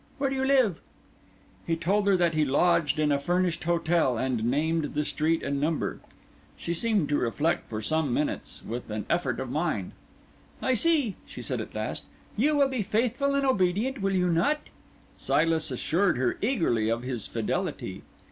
Where do you live?" He told her that he lodged in a furnished hotel, and named the street and number. She seemed to reflect for some minutes, with an effort of mind. "I see," she said at last. "You will be faithful and obedient, will you not?" Silas assured her eagerly of his fidelity.